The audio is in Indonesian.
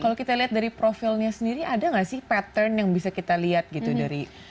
kalau kita lihat dari profilnya sendiri ada nggak sih pattern yang bisa kita lihat gitu dari